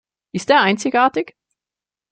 Ist er einzigartig?